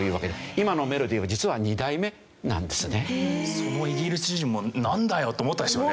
そのイギリス人もなんだよ！と思ったでしょうね。